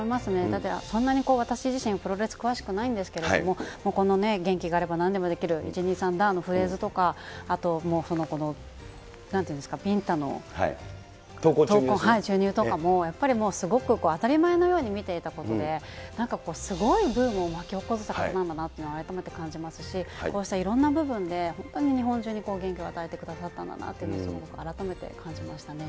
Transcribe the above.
だってそんなに私自身、プロレス詳しくないんですけれども、このね、元気があればなんでもできる、１、２、３、ダー！のフレーズとか、あともう、なんていうんですか、ビンタの闘魂注入とかもやっぱりもう、すごく当たり前のように見ていたことで、なんかすごいブームを巻き起こした方なんだなというのを改めて感じますし、こうしたいろんな部分で、本当に日本中に元気を与えてくださったんだなって、すごく改めて感じましたね。